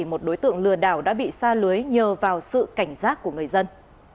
một đối tượng lừa đảo đã bị xa lưới nhờ vào sự cảnh giác của người dân